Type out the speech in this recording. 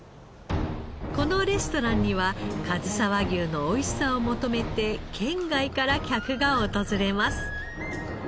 このレストランにはかずさ和牛のおいしさを求めて県外から客が訪れます。